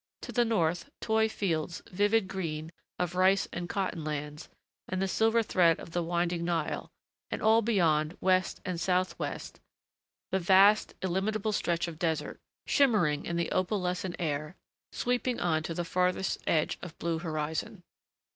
To the north, toy fields, vivid green, of rice and cotton lands, and the silver thread of the winding Nile, and all beyond, west and southwest, the vast, illimitable stretch of desert, shimmering in the opalescent air, sweeping on to the farthest edge of blue horizon.